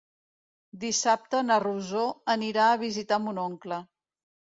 Dissabte na Rosó anirà a visitar mon oncle.